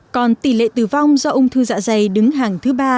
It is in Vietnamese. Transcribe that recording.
còn tỷ lệ tử vong do ung thư dạ dày đứng hàng thứ ba